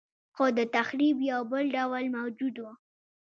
خو د تخریب یو بل ډول موجود و